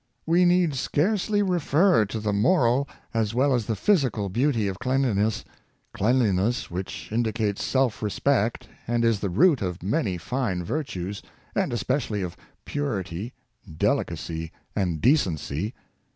We need scarcely refer to the moral as well as the physical beauty of cleanliness — cleanliness which indi cates self respect, and is the root of many fine virtues, and especially of purity, delicacy, and decency.